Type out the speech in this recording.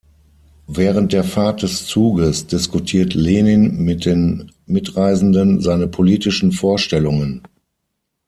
Während der Fahrt des Zuges diskutiert Lenin mit den Mitreisenden seine politischen Vorstellungen.